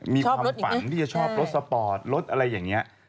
มีความฝันที่จะชอบรถสปอร์ตรถอะไรอย่างนี้